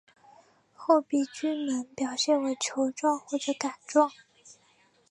厚壁菌门表现为球状或者杆状。